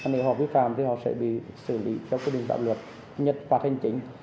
nếu họ vi phạm thì họ sẽ bị xử lý theo quy định tạo luật nhật phạt hành chính